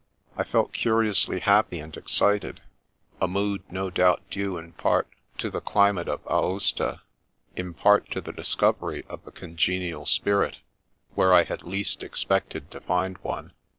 I felt curiously happy and excited, a mood no doubt due in part to the climate of Aosta, in part to the discovery of a congenial spirit, where I had least expected to find one.